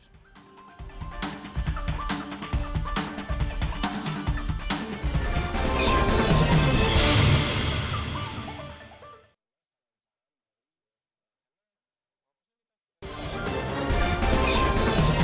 kepala raya kepala singkai